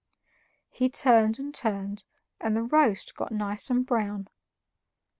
He turned and turned, and the roast got nice and brown.